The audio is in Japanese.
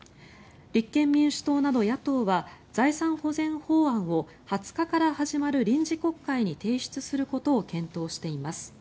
立憲民主党など野党は財産保全法案を２０日から始まる臨時国会に提出することを検討しています。